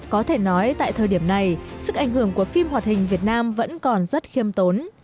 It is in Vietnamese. có thể nói tại thời điểm này sức ảnh hưởng của phim hoạt hình việt nam vẫn còn rất khiêm tốn